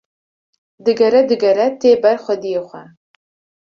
digere digere tê ber xwediyê xwe